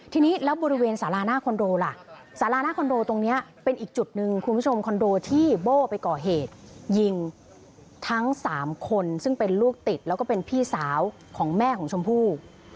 ทีนี้แล้วบริเวณสาราหน้าคอนโดล่ะสาราหน้าคอนโดตรงนี้เป็นอีกจุดหนึ่งคุณผู้ชมคอนโดที่โบ้ไปก่อเหตุยิงทั้ง๓คนซึ่งเป็นลูกติดแล้วก็เป็นพี่สาวของแม่ของชมพู่